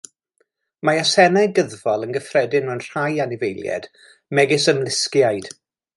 Mae asennau gyddfol yn gyffredin mewn rhai anifeiliaid megis ymlusgiaid.